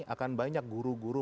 akan banyak guru guru